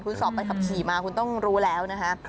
คุณสอบไปขับขี่มาคุณต้องรู้แล้วนะฮะ